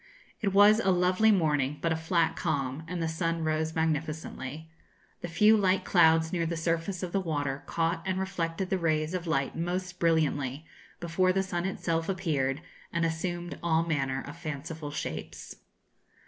It was a lovely morning, but a flat calm, and the sun rose magnificently. The few light clouds near the surface of the water caught and reflected the rays of light most brilliantly before the sun itself appeared, and assumed all manner of fanciful shapes.